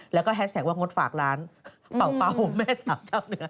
แล้วก็แฮชแท็กว่างดฝากร้านเป่าแม่สามเจ้าเนื้อ